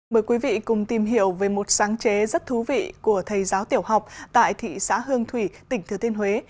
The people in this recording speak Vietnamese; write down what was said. mời quý vị cùng tìm hiểu về một sáng chế rất thú vị của thầy giáo tiểu học tại thị xã hương thủy tỉnh thừa thiên huế